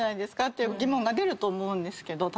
って疑問が出ると思うんですけど。